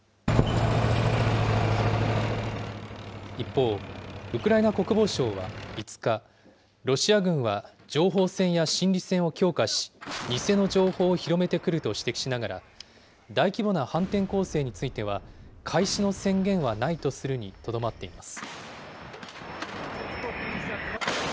一方、ウクライナ国防省は５日、ロシア軍は情報戦や心理戦を強化し、偽の情報を広めてくると指摘しながら、大規模な反転攻勢については、開始の宣言はないとするにとどまっています。